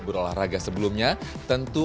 berolahraga sebelumnya tentu